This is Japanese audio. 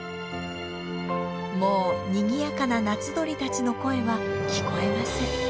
もうにぎやかな夏鳥たちの声は聞こえません。